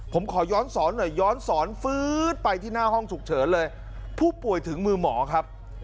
ผมขอย้อนสอนหน่อยย้อนสอนฟื๊ดไปที่หน้าห้องฉุกเฉินเลยผู้ป่วยถึงมือหมอครับ